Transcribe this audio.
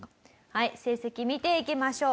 はい成績見ていきましょう。